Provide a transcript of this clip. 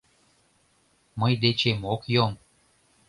Мый дечем ок йом...